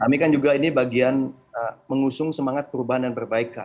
kami kan juga ini bagian mengusung semangat perubahan dan perbaikan